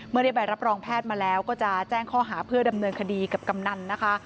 ได้ใบรับรองแพทย์มาแล้วก็จะแจ้งข้อหาเพื่อดำเนินคดีกับกำนันนะคะ